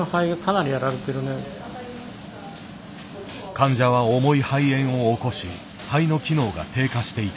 患者は重い肺炎を起こし肺の機能が低下していた。